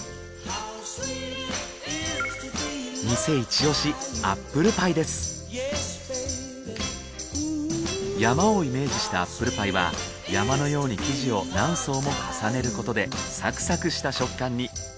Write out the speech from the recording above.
店一押し山をイメージしたアップルパイは山のように生地を何層も重ねることでサクサクした食感に。